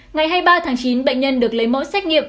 ngày hai mươi ba tháng chín bệnh nhân được lấy mẫu xét nghiệm